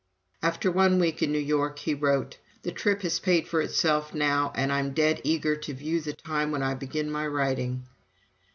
After one week in New York he wrote: "The trip has paid for itself now, and I'm dead eager to view the time when I begin my writing."